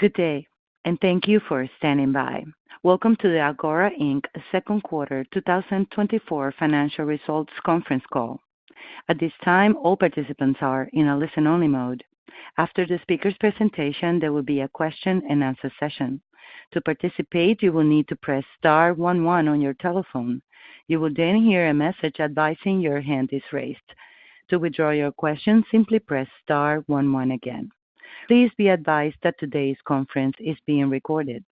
Good day, and thank you for standing by. Welcome to the Agora, Inc. Q2 2024 financial results conference call. At this time, all participants are in a listen-only mode. After the speaker's presentation, there will be a question-and-answer session. To participate, you will need to press star one one on your telephone. You will then hear a message advising your hand is raised. To withdraw your question, simply press star one one again. Please be advised that today's conference is being recorded.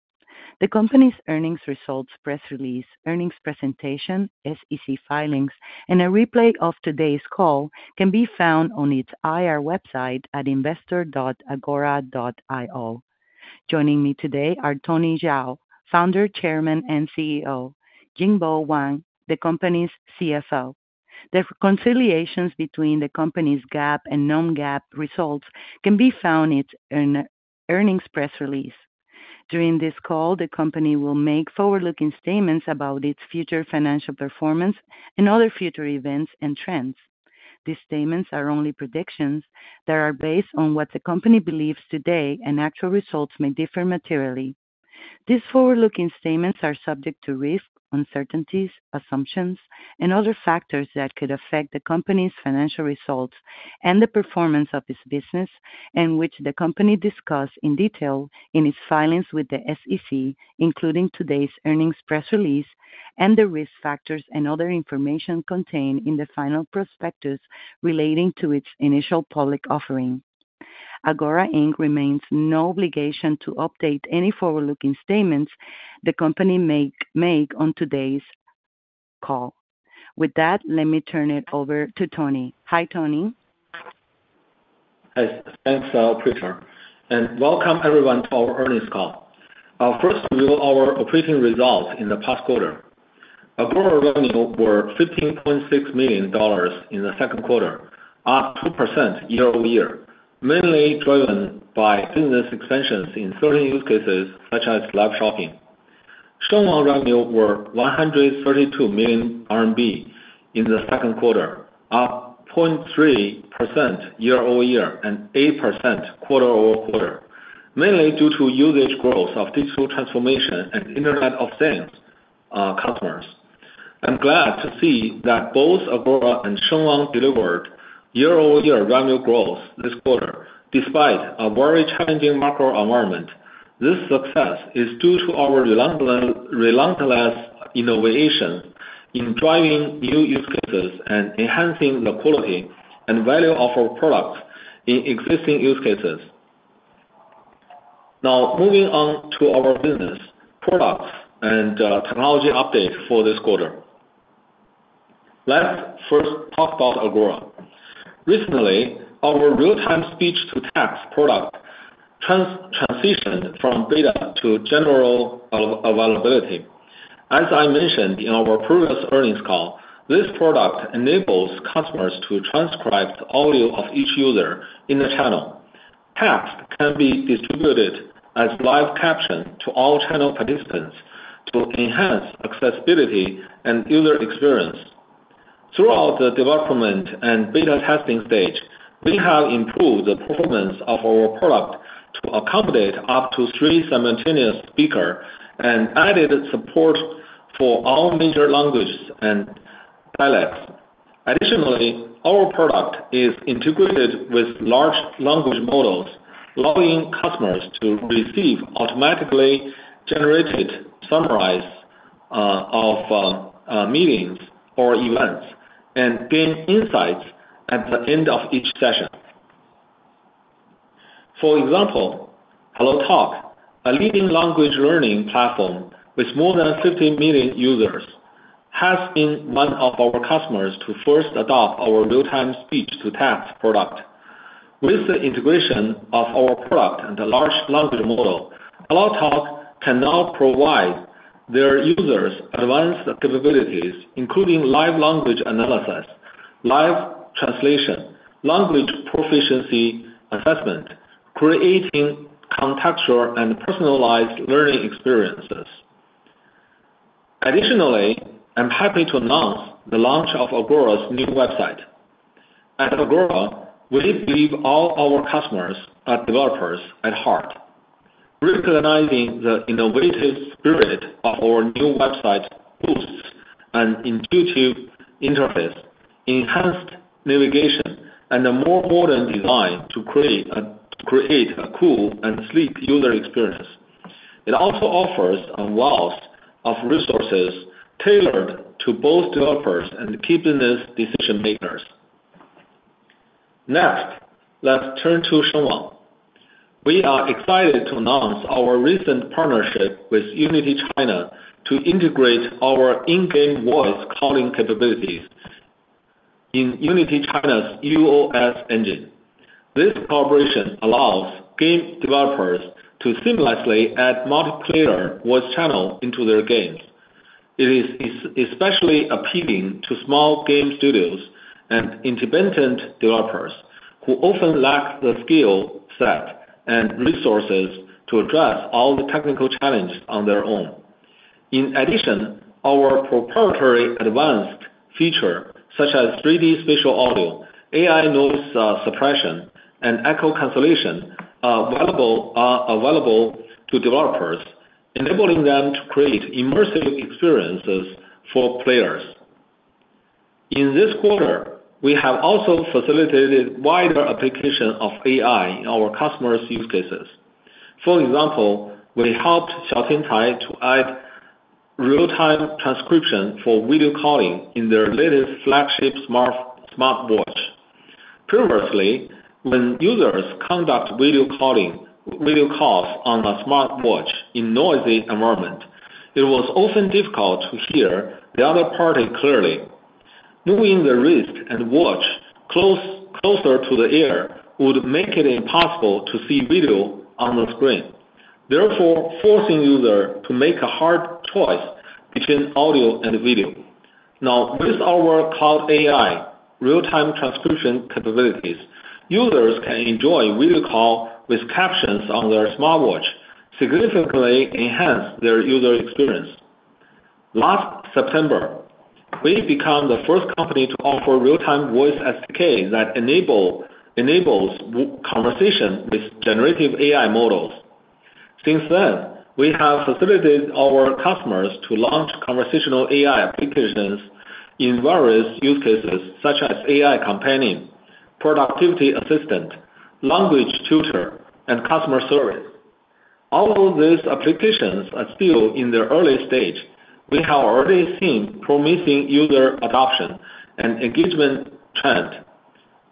The company's earnings results, press release, earnings presentation, SEC filings, and a replay of today's call can be found on its IR website at investor.agora.io. Joining me today are Tony Zhao, Founder, Chairman, and CEO, Jingbo Wang, the company's CFO. The reconciliations between the company's GAAP and non-GAAP results can be found in an earnings press release. During this call, the company will make forward-looking statements about its future financial performance and other future events and trends. These statements are only predictions that are based on what the company believes today, and actual results may differ materially. These forward-looking statements are subject to risks, uncertainties, assumptions, and other factors that could affect the company's financial results and the performance of its business, and which the company discussed in detail in its filings with the SEC, including today's earnings press release and the risk factors and other information contained in the final prospectus relating to its initial public offering. Agora, Inc. has no obligation to update any forward-looking statements the company makes on today's call. With that, let me turn it over to Tony. Hi, Tony. Hi. Thanks, FIonna, and welcome everyone to our earnings call. First, review our operating results in the past quarter. Agora revenue were $15.6 million in the Q2, up 2% year over year, mainly driven by business expansions in certain use cases, such as live shopping. Shengwang revenue were 132 million RMB in the Q2, up 0.3% year over year and 8% quarter over quarter, mainly due to usage growth of digital transformation and Internet of Things customers. I'm glad to see that both Agora and Shengwang delivered year-over-year revenue growth this quarter, despite a very challenging macro environment. This success is due to our relentless innovation in driving new use cases and enhancing the quality and value of our products in existing use cases. Now, moving on to our business, products, and technology update for this quarter. Let's first talk about Agora. Recently, our real-time speech-to-text product transitioned from beta to general availability. As I mentioned in our previous earnings call, this product enables customers to transcribe the audio of each user in the channel. Text can be distributed as live caption to all channel participants to enhance accessibility and user experience. Throughout the development and beta testing stage, we have improved the performance of our product to accommodate up to three simultaneous speaker and added support for all major languages and dialects. Additionally, our product is integrated with large language models, allowing customers to receive automatically generated summaries of meetings or events and gain insights at the end of each session. For example, HelloTalk, a leading language learning platform with more than 50 million users, has been one of our customers to first adopt our real-time speech-to-text product. With the integration of our product and the large language model, HelloTalk can now provide their users advanced capabilities, including live language analysis, live translation, language proficiency assessment, creating contextual and personalized learning experiences. Additionally, I'm happy to announce the launch of Agora's new website. At Agora, we believe all our customers are developers at heart. Recognizing the innovative spirit of our new website boosts an intuitive interface, enhanced navigation, and a more modern design to create a cool and sleek user experience. It also offers a wealth of resources tailored to both developers and key business decision-makers. Next, let's turn to Shengwang. We are excited to announce our recent partnership with Unity China to integrate our in-game voice calling capabilities in Unity China's Tuanjie engine. This collaboration allows game developers to seamlessly add multiplayer voice channel into their games. It is especially appealing to small game studios and independent developers, who often lack the skill set and resources to address all the technical challenges on their own. In addition, our proprietary advanced feature, such as 3D spatial audio, AI noise suppression, and echo cancellation, are available to developers, enabling them to create immersive experiences for players. In this quarter, we have also facilitated wider application of AI in our customers' use cases. For example, we helped Xiao Tian Cai to add real-time transcription for video calling in their latest flagship smartwatch. Previously, when users conduct video calling, video calls on a smartwatch in noisy environment, it was often difficult to hear the other party clearly. Moving the wrist and watch closer to the ear would make it impossible to see video on the screen, therefore forcing user to make a hard choice between audio and video. Now, with our cloud AI real-time transcription capabilities, users can enjoy video call with captions on their smartwatch, significantly enhance their user experience. Last September, we become the first company to offer real-time voice SDK that enables conversation with generative AI models. Since then, we have facilitated our customers to launch conversational AI applications in various use cases, such as AI companion, productivity assistant, language tutor, and customer service. Although these applications are still in their early stage, we have already seen promising user adoption and engagement trend.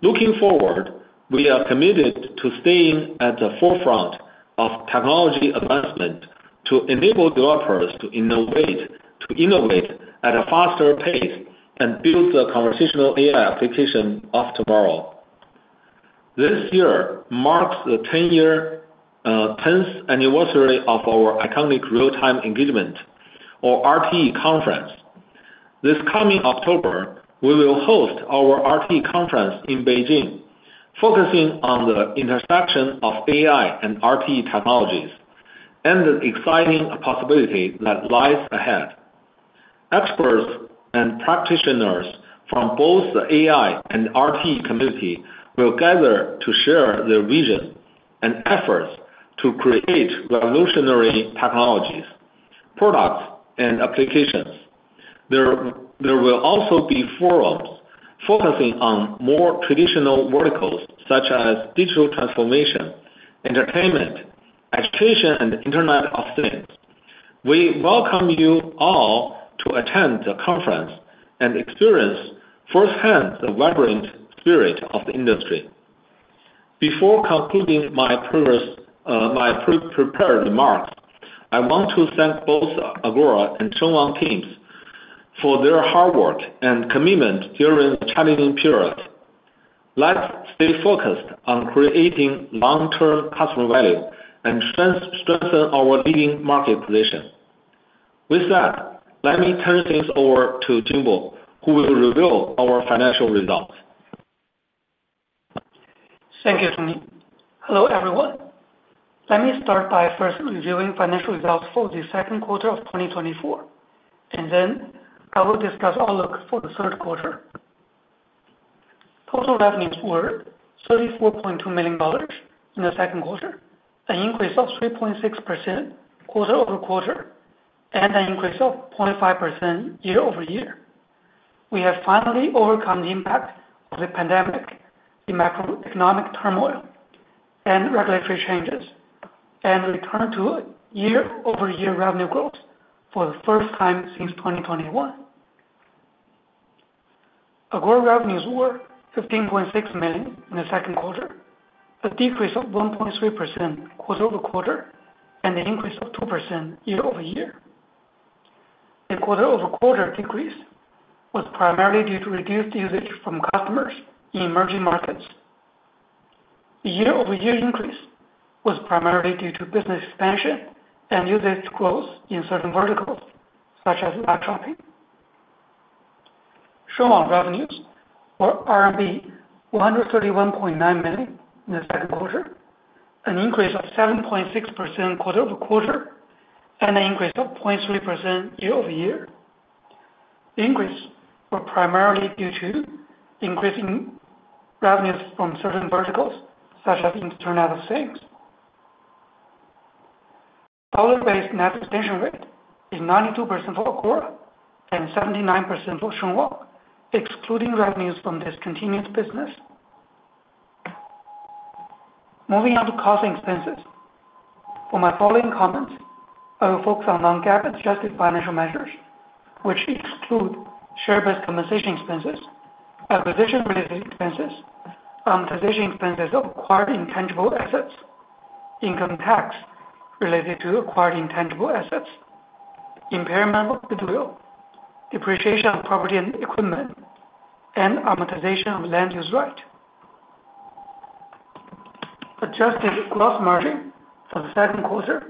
Looking forward, we are committed to staying at the forefront of technology advancement, to enable developers to innovate at a faster pace and build the conversational AI application of tomorrow. This year marks the ten-year, tenth anniversary of our iconic Real-Time Engagement, or RTE conference. This coming October, we will host our RTE conference in Beijing, focusing on the intersection of AI and RTE technologies and the exciting possibility that lies ahead. Experts and practitioners from both the AI and RTE community will gather to share their vision and efforts to create revolutionary technologies, products, and applications. There will also be forums focusing on more traditional verticals such as digital transformation, entertainment, education, and Internet of Things. We welcome you all to attend the conference and experience firsthand the vibrant spirit of the industry. Before concluding my progress, my pre-prepared remarks, I want to thank both Agora and Shengwang teams for their hard work and commitment during the challenging period. Let's stay focused on creating long-term customer value and strengthen our leading market position. With that, let me turn things over to Jingbo, who will reveal our financial results. Thank you, Tony. Hello, everyone. Let me start by first reviewing financial results for the Q2 of 2024, and then I will discuss outlook for the Q3. Total revenues were $34.2 million in the Q2, an increase of 3.6% quarter over quarter, and an increase of 0.5% year over year. We have finally overcome the impact of the pandemic, the macroeconomic turmoil, and regulatory changes, and returned to year-over-year revenue growth for the first time since 2021. Agora revenues were $15.6 million in the Q2, a decrease of 1.3% quarter over quarter, and an increase of 2% year over year. The quarter over quarter decrease was primarily due to reduced usage from customers in emerging markets. The year-over-year increase was primarily due to business expansion and usage growth in certain verticals, such as live shopping. Shengwang revenues were RMB 131.9 million in the Q2, an increase of 7.6% quarter over quarter, and an increase of 0.3% year over year. The increase were primarily due to increasing revenues from certain verticals, such as Internet of Things. Dollar-based net retention rate is 92% for Agora and 79% for Shengwang, excluding revenues from discontinued business. Moving on to cost and expenses. For my following comments, I will focus on non-GAAP adjusted financial measures, which exclude share-based compensation expenses, acquisition-related expenses, amortization expenses of acquired intangible assets, income tax related to acquired intangible assets, impairment of goodwill, depreciation of property and equipment, and amortization of land use right. Adjusted gross margin for the Q2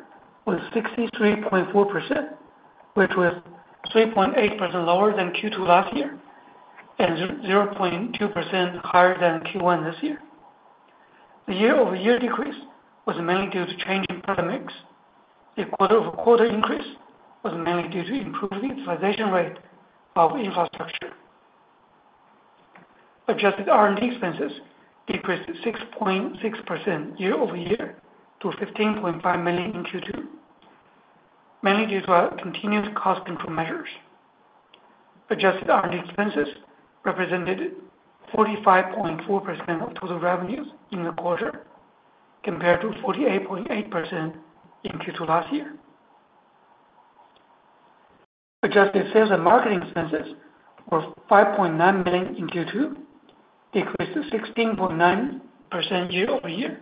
was 63.4%, which was 3.8% lower than Q2 last year, and 0.2% higher than Q1 this year. The year-over-year decrease was mainly due to change in product mix. The quarter-over-quarter increase was mainly due to improved utilization rate of infrastructure. Adjusted R&D expenses decreased 6.6% year-over-year to $15.5 million in Q2, mainly due to our continued cost improvement measures. Adjusted R&D expenses represented 45.4% of total revenues in the quarter, compared to 48.8% in Q2 last year. Adjusted sales and marketing expenses were $5.9 million in Q2, decreased to 16.9% year-over-year.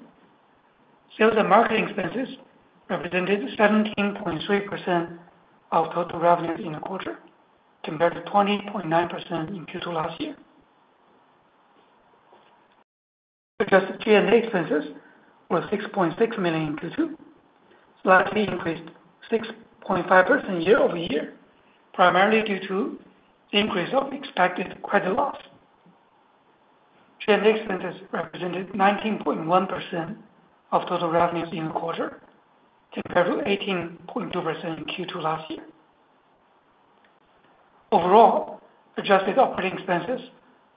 Sales and marketing expenses represented 17.3% of total revenues in the quarter, compared to 20.9% in Q2 last year. Adjusted G&A expenses were $6.6 million in Q2, slightly increased 6.5% year-over-year, primarily due to the increase of expected credit loss. G&A expenses represented 19.1% of total revenues in the quarter, compared to 18.2% in Q2 last year. Overall, adjusted operating expenses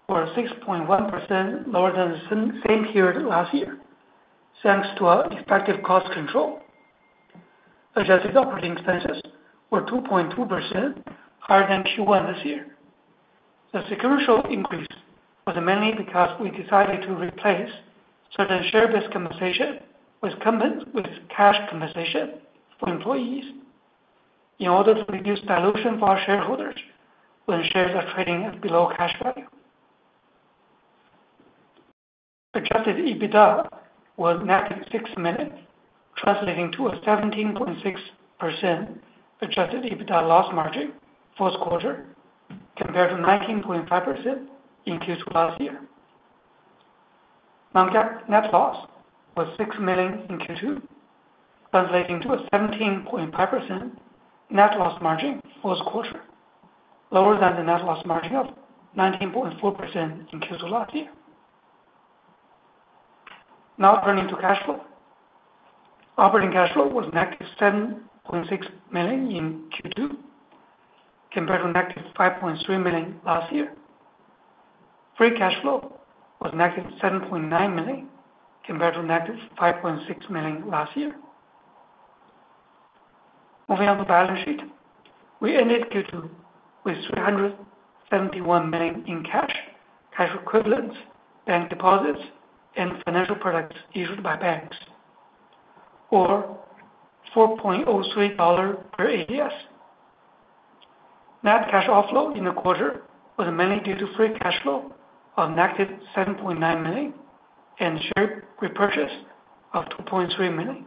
were 6.1% lower than the same period last year, thanks to our effective cost control. Adjusted operating expenses were 2.2% higher than Q1 this year. The sequential increase was mainly because we decided to replace certain share-based compensation with cash compensation for employees in order to reduce dilution for our shareholders when shares are trading at below cash value. Adjusted EBITDA was -$6 million, translating to a 17.6% adjusted EBITDA loss margin for this quarter, compared to 19.5% in Q2 last year. Non-GAAP net loss was -$6 million in Q2, translating to a 17.5% net loss margin for this quarter, lower than the net loss margin of 19.4% in Q2 last year. Now turning to cash flow. Operating cash flow was -$7.6 million in Q2, compared to -$5.3 million last year. Free cash flow was -$7.9 million, compared to -$5.6 million last year. Moving on to balance sheet. We ended Q2 with $371 million in cash, cash equivalents, bank deposits, and financial products issued by banks, or $4.03 per ADS. Net cash outflow in the quarter was mainly due to free cash flow of negative $7.9 million and share repurchase of $2.3 million.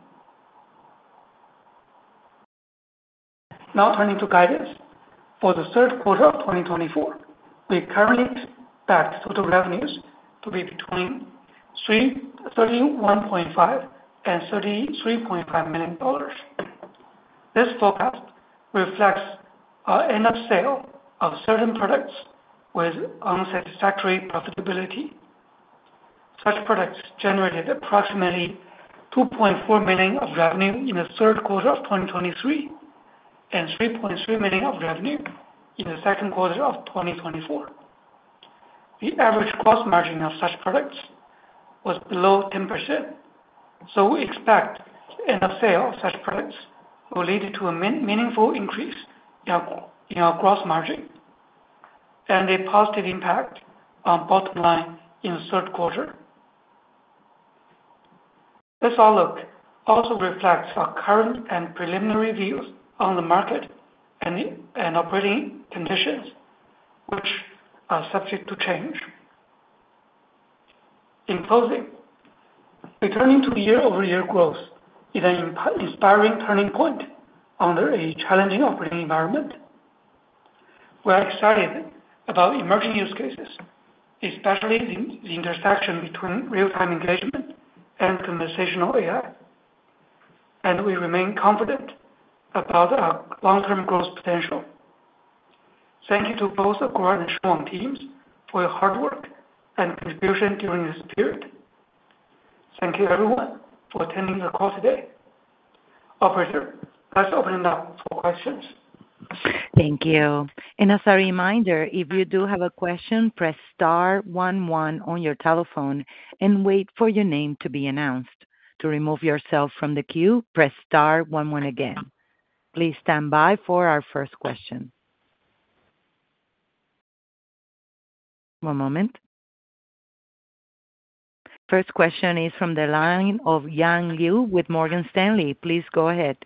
Now turning to guidance. For the Q3 of 2024, we currently expect total revenues to be between $31.5 and $33.5 million. This forecast reflects our end of sale of certain products with unsatisfactory profitability. Such products generated approximately $2.4 million of revenue in the Q3 of 2023, and $3.3 million of revenue in the Q2 of 2024. The average gross margin of such products was below 10%, so we expect end of sale of such products will lead to a meaningful increase in our gross margin and a positive impact on bottom line in the Q3. This outlook also reflects our current and preliminary views on the market and operating conditions, which are subject to change. In closing, returning to year-over-year growth is an inspiring turning point under a challenging operating environment. We are excited about emerging use cases, especially the intersection between real-time engagement and conversational AI, and we remain confident about our long-term growth potential. Thank you to both the Agora and Shengwang teams for your hard work and contribution during this period. Thank you, everyone, for attending the call today. Operator, let's open it up for questions. Thank you. And as a reminder, if you do have a question, press star one one on your telephone and wait for your name to be announced. To remove yourself from the queue, press star one one again. Please stand by for our first question. One moment. First question is from the line of Yang Liu with Morgan Stanley. Please go ahead.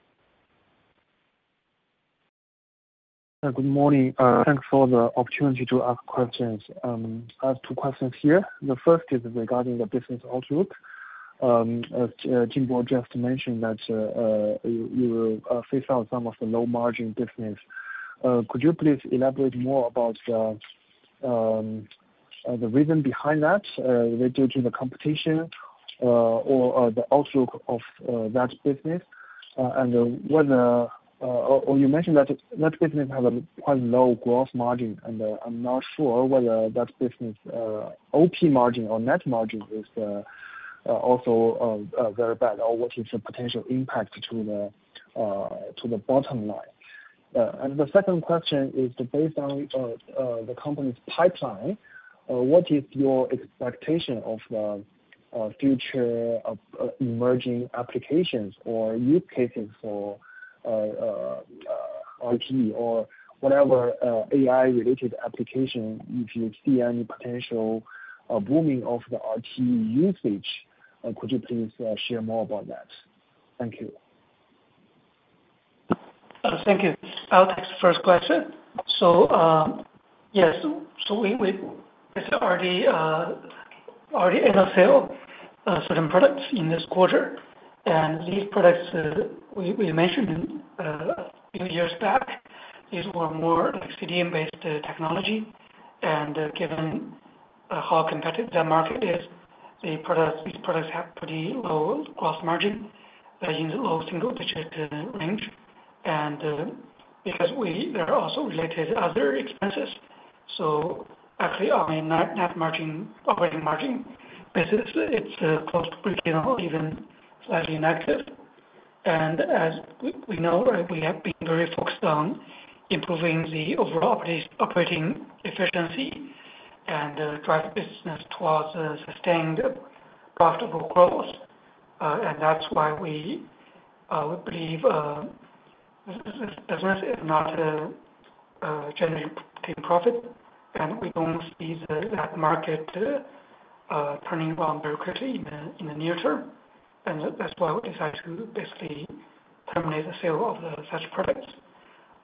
Good morning. Thanks for the opportunity to ask questions. I have two questions here. The first is regarding the business outlook. Jingbo just mentioned that you will phase out some of the low-margin business. Could you please elaborate more about the reason behind that? Related to the competition, or the outlook of that business? And whether, or you mentioned that that business has a quite low growth margin, and I'm not sure whether that business OP margin or net margin is also very bad, or what is the potential impact to the bottom line? And the second question is: based on the company's pipeline, what is your expectation of the future of emerging applications or use cases for RTE, or whatever, AI-related application? If you see any potential booming of the RT usage, could you please share more about that? Thank you. Thank you. I'll take first question. So, yes, so it's already in a sale of certain products in this quarter. And these products, we mentioned a few years back, these were more like CDN-based technology. And given how competitive the market is, these products have pretty low gross margin in the low single digit range. And because there are also related other expenses. So actually, on a net margin, operating margin basis, it's close to break-even or even slightly negative. And as we know, we have been very focused on improving the overall operating efficiency and drive the business towards a sustained profitable growth. And that's why we believe this business is not generating profit, and we don't see that market turning around very quickly in the near term. And that's why we decide to basically terminate the sale of such products.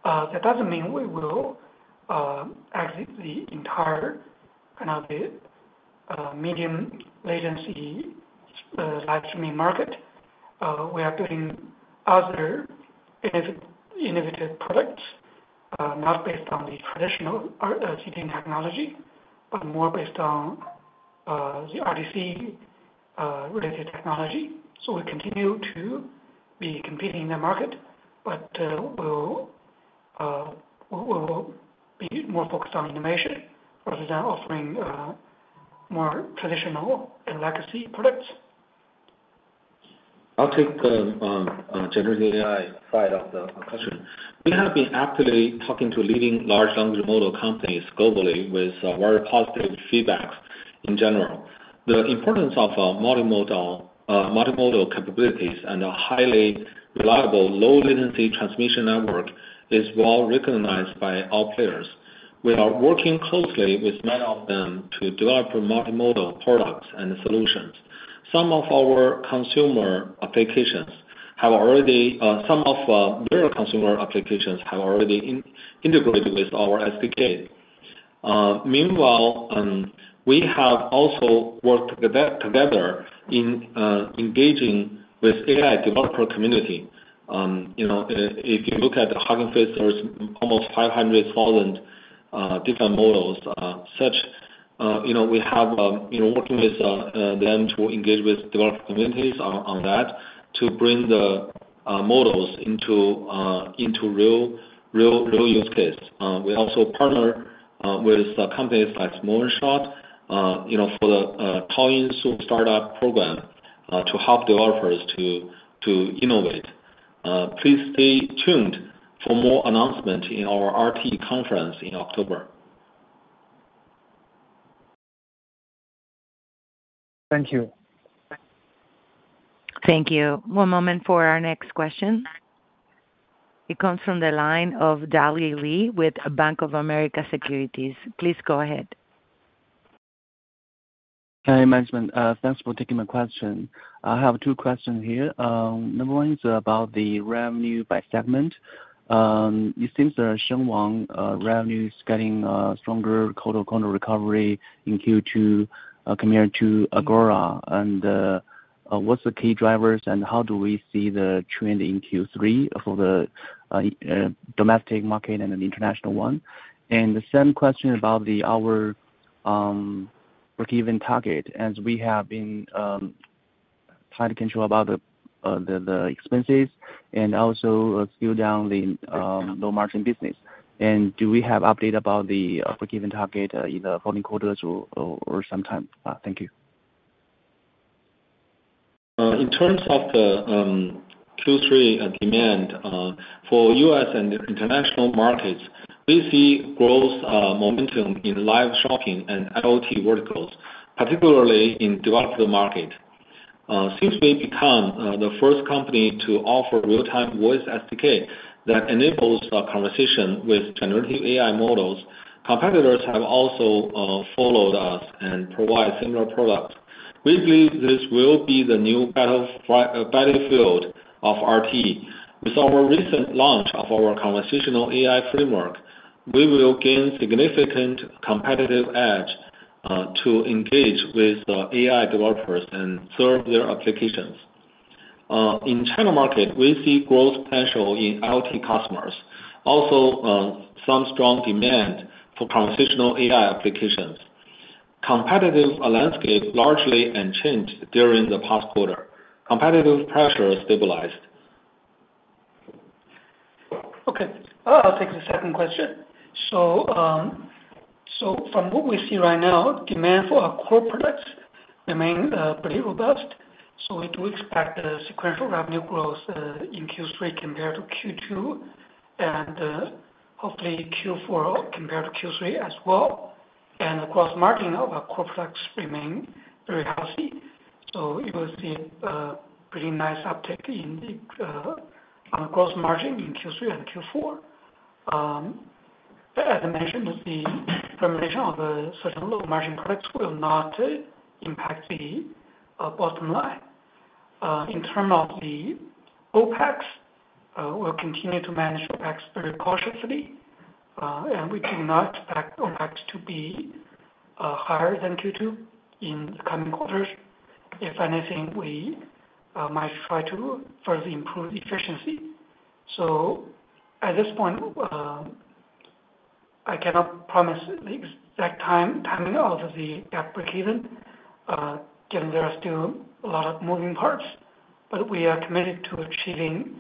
That doesn't mean we will exit the entire kind of medium latency live streaming market. We are building other innovative products not based on the traditional RTC technology, but more based on the RTC related technology. So we continue to be competing in the market, but we will be more focused on innovation rather than offering more traditional and legacy products. I'll take the generative AI side of the question. We have been actively talking to leading large language model companies globally with very positive feedback in general. The importance of multimodal capabilities and a highly reliable low latency transmission network is well recognized by all players. We are working closely with many of them to develop multimodal products and solutions. Some of their consumer applications have already integrated with our SDK. Meanwhile, we have also worked together in engaging with AI developer community. You know, if you look at the Hugging Face, there's almost five hundred thousand different models. Such, you know, we have, you know, working with them to engage with developer communities on that, to bring the models into real use case. We also partner with companies like Moonshot, you know, for the Taoyuan startup program, to help developers to innovate. Please stay tuned for more announcement in our RTE conference in October. Thank you. Thank you. One moment for our next question. It comes from the line of Dali Li with Bank of America Securities. Please go ahead. Hi, management. Thanks for taking my question. I have two questions here. Number one is about the revenue by segment. It seems that Shengwang revenue is getting stronger quarter on quarter recovery in Q2 compared to Agora. And what's the key drivers, and how do we see the trend in Q3 for the domestic market and the international one? And the same question about our breakeven target, as we have been trying to control the expenses and also scale down the low margin business. And do we have update about the breakeven target in the coming quarters or sometime? Thank you. In terms of the Q3 demand for US and international markets, we see growth momentum in live shopping and IoT verticals, particularly in developed market. Since we become the first company to offer real-time voice SDK that enables a conversation with generative AI models, competitors have also followed us and provide similar products. We believe this will be the new battlefield of RT. With our recent launch of our conversational AI framework, we will gain significant competitive edge to engage with AI developers and serve their applications. In China market, we see growth potential in IoT customers. Also, some strong demand for conversational AI applications. Competitive landscape largely unchanged during the past quarter. Competitive pressure stabilized. Okay, I'll take the second question. So from what we see right now, demand for our core products remain pretty robust. So we do expect sequential revenue growth in Q3 compared to Q2, and hopefully Q4 compared to Q3 as well, and the gross margin of our core products remain very healthy. So you will see a pretty nice uptick in the on gross margin in Q3 and Q4, but as I mentioned, the termination of the certain low-margin products will not impact the bottom line. In terms of the OpEx, we'll continue to manage OpEx very cautiously, and we do not expect OpEx to be higher than Q2 in the coming quarters. If anything, we might try to further improve efficiency. At this point, I cannot promise the exact timing of the GAAP breakeven, given there are still a lot of moving parts. But we are committed to achieving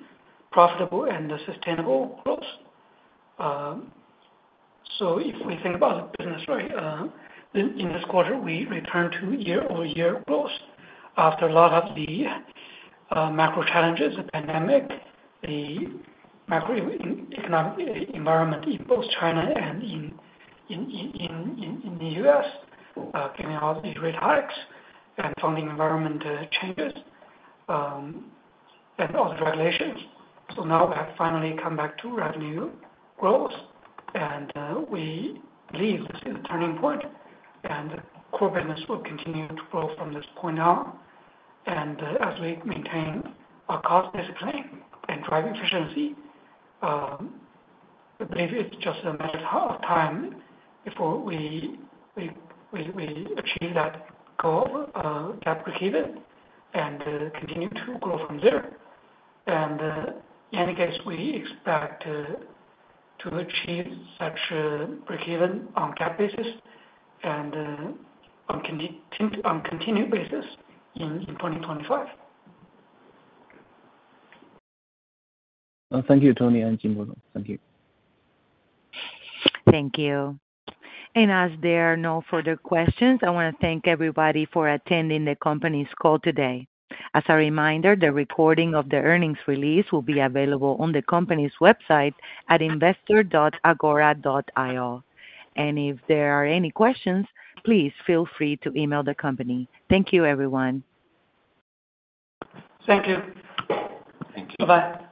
profitable and sustainable growth. If we think about the business, right, in this quarter, we returned to year-over-year growth after a lot of the macro challenges, the pandemic, the macro economic environment in both China and in the US, given all the rate hikes and funding environment changes, and also the regulations. Now we have finally come back to revenue growth, and we believe this is a turning point, and core business will continue to grow from this point on. As we maintain our cost discipline and drive efficiency, I believe it's just a matter of time before we achieve that goal, that breakeven, and continue to grow from there. In any case, we expect to achieve such a breakeven on GAAP basis and on continued basis in 2025. Thank you, Tony and Jingbo. Thank you. Thank you. And as there are no further questions, I wanna thank everybody for attending the company's call today. As a reminder, the recording of the earnings release will be available on the company's website at investor.agora.io. And if there are any questions, please feel free to email the company. Thank you, everyone. Thank you. Thank you. Bye-bye.